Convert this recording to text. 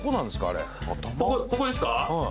あれここですか？